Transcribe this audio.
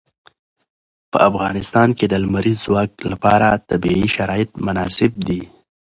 په افغانستان کې د لمریز ځواک لپاره طبیعي شرایط مناسب دي.